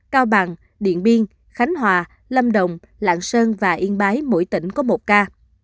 cao bằng điện biên khánh hòa lâm đồng lạng sơn và yên bái mỗi tỉnh có một ca